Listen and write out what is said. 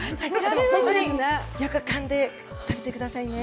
本当によくかんで食べてくださいね。